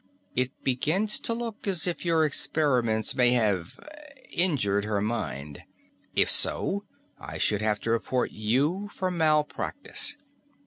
It begins to look as if your experiments may have injured her mind. If so, I should have to report you for malpractice."